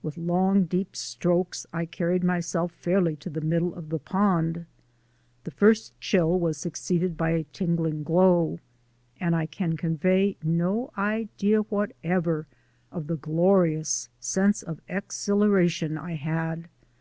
With long, deep strokes I carried myself fairly to the middle of the pond. The first chill was succeeded by a tingling glow, and I can convey no idea whatever of the glorious sense of exhilaration I had.